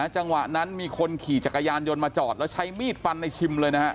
จังหวะนั้นมีคนขี่จักรยานยนต์มาจอดแล้วใช้มีดฟันในชิมเลยนะฮะ